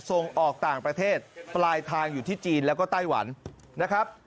ส่งออกต่างประเทศปลายทางอยู่ที่จีนแล้วก็ไต้หวันนะครับ